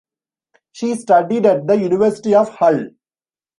She studied at the University of Hull.